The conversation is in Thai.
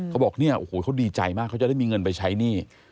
เขาบอกเนี่ยโอ้โหเขาดีใจมากเขาจะได้มีเงินไปใช้หนี้